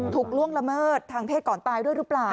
ล่วงละเมิดทางเพศก่อนตายด้วยหรือเปล่า